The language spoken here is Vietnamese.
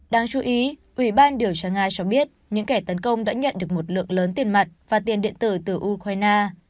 đáng chú ý ủy ban điều tra nga cho biết những kẻ tấn công đã nhận được một lượng lớn tiền mặt và tiền điện tử từ ukraine